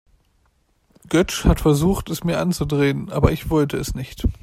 Götsch hat versucht, es mir anzudrehen, aber ich wollte es nicht.